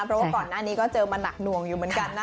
เพราะว่าก่อนหน้านี้ก็เจอมาหนักหน่วงอยู่เหมือนกันนะ